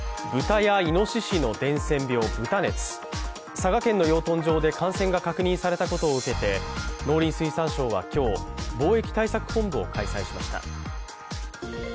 佐賀県の養豚場で感染が確認されたことを受けて農林水産省は今日、防疫対策本部を開催しました。